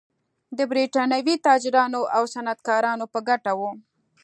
د برېټانوي تاجرانو او صنعتکارانو په ګټه و.